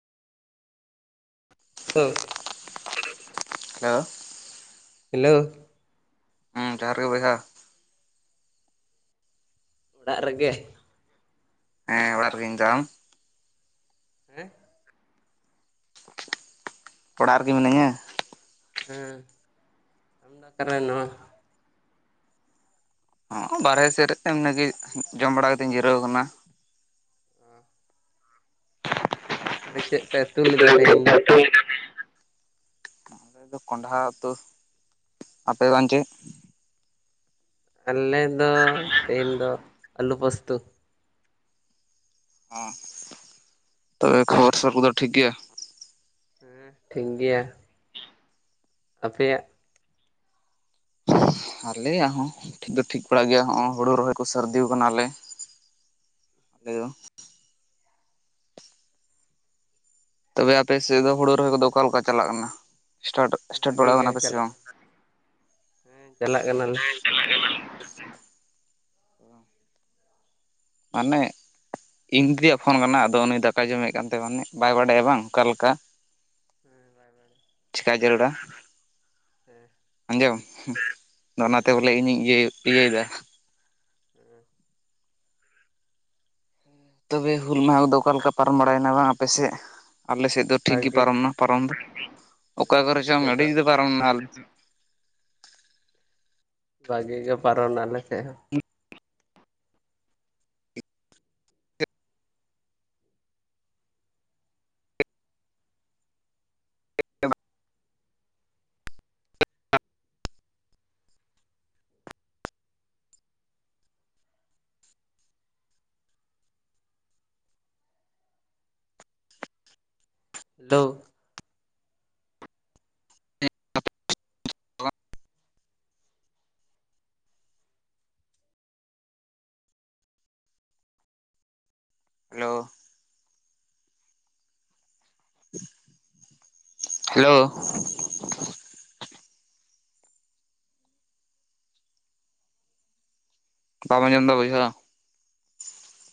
[unintelligible] Hello. Hello. ᱦᱩᱸ ᱡᱚᱦᱟᱨ ᱜᱮ ᱵᱚᱭᱦᱟ ᱾ ᱚᱲᱟᱜ ᱨᱮᱜᱮ? ᱦᱮᱸ ᱚᱲᱟᱜ ᱨᱮᱜᱮ ᱤᱧᱫᱚ ᱟᱢ? ᱦᱮᱸ ᱾ ᱚᱲᱟᱜ ᱨᱮᱜᱮ ᱢᱤᱱᱟᱹᱧᱟ ᱾ ᱦᱩᱸ ᱫᱩᱲᱩᱵᱟ ᱠᱟᱱᱟ ᱱᱟᱣᱟ ᱦᱚᱸ ᱵᱟᱨᱦᱮ ᱥᱮᱜ ᱨᱮᱜᱮ ᱮᱢᱱᱤ ᱜᱮ ᱡᱚᱢ ᱵᱟᱲᱟ ᱠᱟᱛᱮᱧ ᱡᱤᱨᱟᱹᱣ ᱠᱟᱱᱟ ᱾ ᱚ ᱫᱤᱭᱮ ᱪᱮᱜ ᱯᱮ ᱩᱛᱩ ᱪᱤᱠᱟᱹ ᱞᱮᱫᱟ ᱞᱟᱜᱤᱫᱚᱜ ᱛᱮᱦᱮᱧ ᱫᱚ ᱠᱟᱱ ᱫᱚᱭ ᱟᱞᱮ ᱫᱚ ᱠᱚᱸᱰᱷᱟ ᱩᱛᱩ ᱟᱯᱮ ᱜᱮ ᱵᱟᱝ ᱪᱮᱜ? ᱟᱞᱮ ᱫᱚ ᱛᱮᱦᱮᱧ ᱫᱚ ᱟᱞᱩ ᱯᱚᱥᱛᱩ ᱾ ᱦᱮᱸ ᱛᱚᱵᱮ ᱠᱷᱚᱵᱚᱨ ᱠᱚᱫᱚ ᱴᱷᱤᱠ ᱜᱮᱭᱟ? ᱦᱮᱸ ᱴᱷᱤᱠ ᱜᱮᱭᱟ ᱾ ᱟᱯᱮᱭᱟᱜ? ᱟᱞᱮᱭᱟᱜ ᱦᱚᱸ ᱴᱷᱤᱠ ᱫᱚ ᱴᱷᱤᱠ ᱵᱟᱲᱟᱜ ᱜᱮᱭᱟᱜ ᱦᱳᱲᱳ ᱨᱚᱦᱚᱭ ᱠᱚ ᱥᱟᱨᱫᱤᱣ ᱠᱟᱱᱟᱞᱮ ᱾ ᱦᱮᱞᱳ ᱛᱚᱵᱮ ᱟᱯᱮ ᱥᱮᱜ ᱫᱚ ᱦᱳᱲᱳ ᱨᱚᱦᱚᱭ ᱠᱚᱫᱚ ᱚᱠᱟᱞᱮᱠᱟ ᱪᱟᱞᱟᱜ ᱠᱟᱱᱟ ᱥᱴᱟᱴ ᱮᱴᱟᱴ ᱵᱷᱟᱜᱮ ᱵᱟᱲᱟᱣ ᱜᱮ ᱠᱟᱱᱟᱯᱮ ᱥᱮ ᱪᱟᱞᱟᱜ ᱵᱟᱝ? ᱠᱟᱱᱟ ᱦᱮᱸ ᱪᱟᱞᱟᱜ ᱠᱟᱱᱟᱞᱮ ᱾ ᱪᱟᱞᱟᱜ [unintelligible] ᱢᱟᱱᱮ ᱤᱧ ᱫᱤᱫᱤᱭᱟᱜ ᱯᱷᱳᱱ ᱠᱟᱱᱟ ᱟᱫᱚ ᱩᱱᱤ ᱫᱟᱠᱟᱟᱭ ᱡᱚᱢᱮᱜ ᱠᱟᱱ ᱛᱮᱭ ᱢᱟᱱᱮ ᱵᱟᱭ ᱵᱟᱰᱟᱭᱟ ᱵᱟᱝ ᱚᱠᱟᱞᱮᱠᱟ ᱾ [unintelligible] ᱪᱮᱠᱟᱭ ᱡᱟᱹᱨᱩᱲᱟ? ᱦᱩᱸ ᱟᱸᱡᱚᱢ ᱟᱫᱚ ᱚᱱᱟᱛᱮ ᱵᱚᱞᱮ ᱤᱧᱤ ᱧᱤᱭᱟᱹ ᱤᱭᱟᱹᱭᱮᱫᱟ ᱾ [unintelligible] ᱛᱚᱵᱮ ᱦᱩᱞ ᱢᱟᱦᱟ ᱠᱚᱫᱚ ᱚᱠᱟᱞᱮᱠᱟ ᱯᱟᱨᱚᱢ ᱵᱟᱲᱟᱭᱮᱱᱟ ᱵᱟᱝ ᱟᱯᱮᱥᱮᱜ ᱟᱞᱮᱥᱮᱫ ᱫᱚ ᱴᱷᱤᱠ ᱜᱮ ᱵᱷᱟᱜᱮ ᱯᱟᱨᱚᱢᱱᱟ ᱾ ᱯᱟᱨᱚᱢ ᱫᱚ [inaudible] ᱚᱠᱟ ᱦᱮᱸ ᱠᱚᱨᱮ ᱟᱞᱮ ᱪᱚᱝ ᱥᱮᱫ ᱟᱹᱰᱤ ᱫᱚ ᱡᱩᱫᱟᱹ ᱯᱟᱨᱚᱢᱱᱟ ᱾ ᱵᱷᱟᱹᱜᱤ ᱜᱮ ᱯᱟᱨᱚᱢ ᱱᱟ ᱟᱞᱮ ᱥᱮᱜ ᱦᱚᱸ ᱦᱮᱞᱳ ᱾ Hello hello. ᱵᱟᱢ ᱟᱡᱚᱢ ᱫᱟ ᱵᱚᱭᱦᱟ?